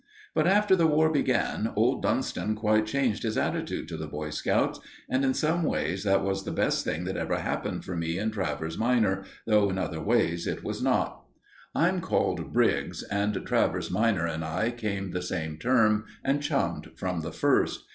But after the War began, old Dunston quite changed his attitude to the Boy Scouts, and, in some ways, that was the best thing that ever happened for me and Travers minor, though in other ways it was not. I'm called Briggs, and Travers minor and I came the same term and chummed from the first.